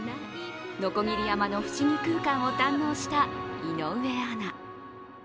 鋸山の不思議空間を堪能した井上アナ。